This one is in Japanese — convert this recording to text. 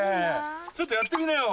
ちょっとやってみなよ。